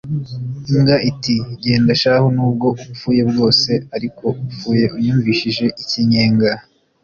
imbwa iti «genda shahu n'ubwo upfuye bwose ariko upfuye unyumvishije ikinyenga